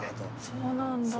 そうなんだ。